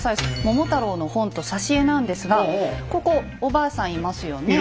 「桃太郎」の本と挿絵なんですがここおばあさんいますよね。